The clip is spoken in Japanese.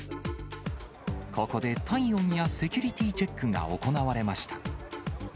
ここで体温やセキュリティーチェックが行われました。